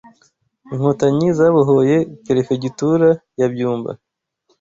Inkotanyi zabohoye Perefegitura ya Byumba